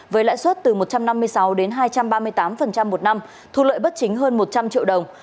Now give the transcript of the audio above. với lãi suất từ một trăm năm mươi sáu đến hai trăm ba mươi tám một năm thu lợi bất chính hơn một trăm linh triệu đồng